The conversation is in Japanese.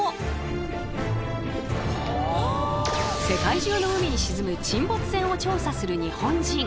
世界中の海に沈む沈没船を調査する日本人。